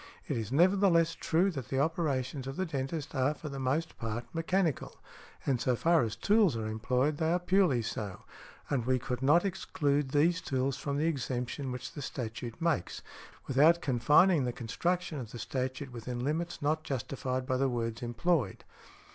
It is nevertheless true that the operations of the dentist are, for the most part, mechanical, and so far as tools are employed, they are purely so, and we could not exclude these tools from the exemption which the statute makes, without confining the construction of the statute within limits not justified by the words employed" .